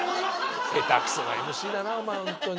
下手くそなＭＣだなホントに。